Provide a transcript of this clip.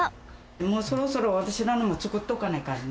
もうそろそろ、私らも作っておかないかんね。